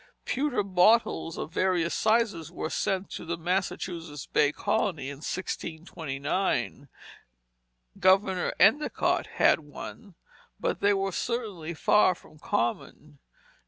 Pewter bottles of various sizes were sent to the Massachusetts Bay Colony, in 1629. Governor Endicott had one, but they were certainly far from common.